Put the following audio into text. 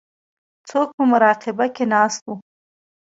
څوک په مراقبه کې ناست وو.